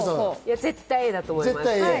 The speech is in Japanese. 絶対Ａだと思います。